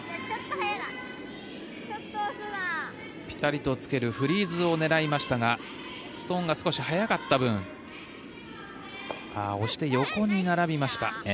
ピタリとつけるフリーズを狙いましたがストーンが少し速かった分押して横に並びました。